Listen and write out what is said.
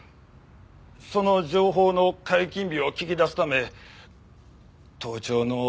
その情報の解禁日を聞き出すため盗聴の計画を。